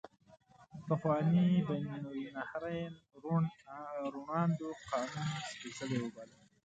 پخواني بین النهرین روڼ اندو قانون سپیڅلی وباله.